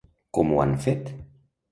Com ho han fet?